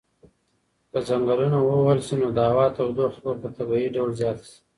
که ځنګلونه ووهل شي نو د هوا تودوخه به په طبیعي ډول زیاته شي.